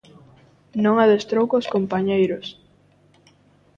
Non adestrou cos compañeiros.